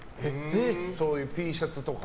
そういうＴシャツとか。